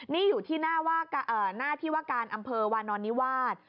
นี่อยู่ที่หน้าที่ว่าการอำเภอวานอนนิวาส